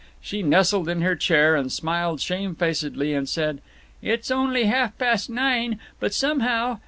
She nestled in her chair and smiled shamefacedly and said, "It's only half past nine, but somehow